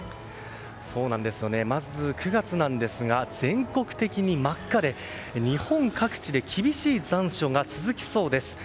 まず、９月なんですが全国的に真っ赤で日本各地で厳しい残暑が続きそうです。